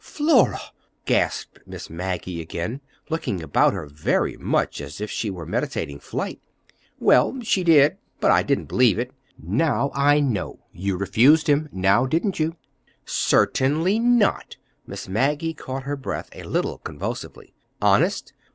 "Flora!" gasped Miss Maggie again, looking about her very much as if she were meditating flight. "Well, she did—but I didn't believe it. Now I know. You refused him—now, didn't you?" "Certainly not!" Miss Maggie caught her breath a little convulsively. "Honest?"